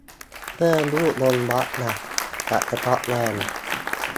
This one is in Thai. เพิ่มรูปลงบล็อกละ จากสกอตแลนด์